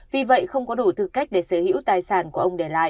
vì vậy không có đủ thư cách để sở hữu tài sản